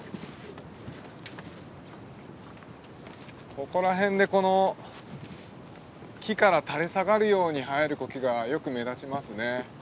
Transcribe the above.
ここら辺でこの木から垂れ下がるように生えるコケがよく目立ちますね。